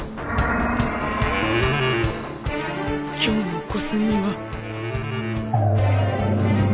今日の小杉は。